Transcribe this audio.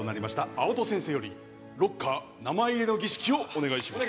青戸先生よりロッカー名前入れの儀式をお願いします